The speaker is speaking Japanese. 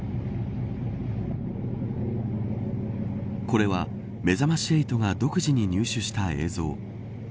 これは、めざまし８が独自に入手した映像。